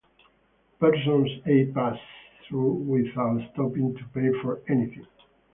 Person A passes through without stopping to pay for anything.